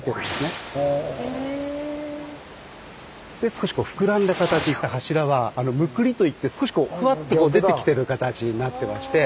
で少し膨らんだ形した柱は「むくり」といって少しふわって出てきてる形になってまして。